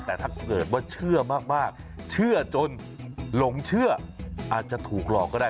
แต่ถ้าเกิดว่าเชื่อมากเชื่อจนหลงเชื่ออาจจะถูกหลอกก็ได้